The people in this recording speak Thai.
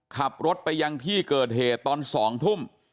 ขับรถไปยังที่เกิดเหตุตอน๒ทุ่ม